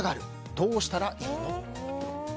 どうしたらいいの？